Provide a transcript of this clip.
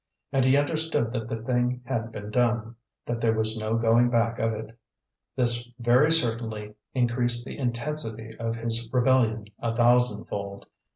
And he understood that the thing had been done, that there was no going back of it. This very certainty increased the intensity of his rebellion a thousandfold.